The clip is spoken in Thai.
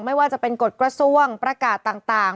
ไม่ว่าจะเป็นกฎกระทรวงประกาศต่าง